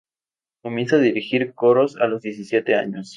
Comienza a dirigir coros a los diecisiete años.